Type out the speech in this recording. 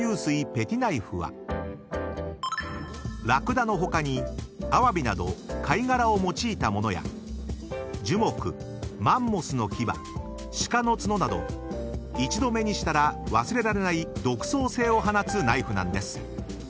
ペティナイフはラクダのほかにアワビなど貝殻を用いた物や樹木マンモスの牙鹿の角など一度目にしたら忘れられない独創性を放つナイフなんです］